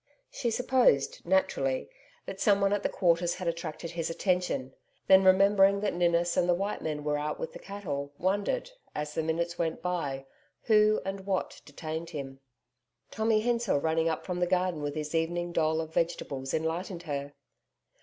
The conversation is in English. She supposed, naturally, that someone at the Quarters had attracted his attention, then remembering that Ninnis and the white men were out with the cattle, wondered, as the minutes went by, who and what detained him. Tommy Hensor, running up from the garden with his evening dole of vegetables, enlightened her.